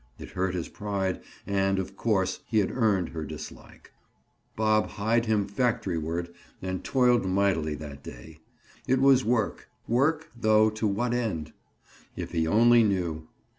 It hurt his pride and, of course, he had earned her dislike. Bob hied him factoryward and toiled mightily that day. It was work—work—though to what end? If he only knew!